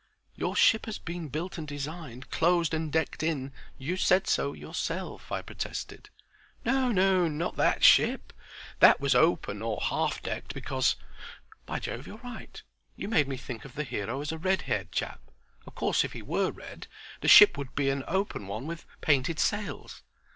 "Your ship has been built and designed, closed and decked in; you said so yourself," I protested. "No, no, not that ship. That was open, or half decked because—By Jove you're right. You made me think of the hero as a red haired chap. Of course if he were red, the ship would be an open one with painted sails."